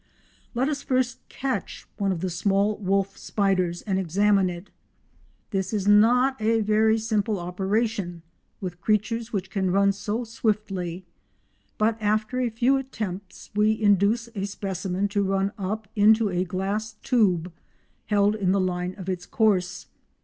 Let us first catch one of the small wolf spiders and examine it. This is not a very simple operation with creatures which can run so swiftly, but after a few attempts we induce a specimen to run up into a glass tube held in the line of its course.